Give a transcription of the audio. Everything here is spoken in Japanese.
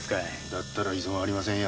だったら異存はありませんや。